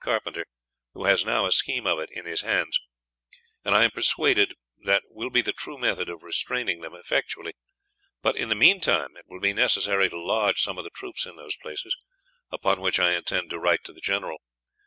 Carpenter, who has now a scheme of it in his hands; and I am persuaded that will be the true method for restraining them effectually; but, in the meantime, it will be necessary to lodge some of the troops in those places, upon which I intend to write to the Generall.